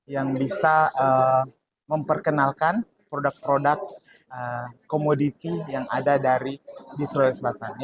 yang bisa memperkenalkan produk produk komoditi yang ada di sulawesi selatan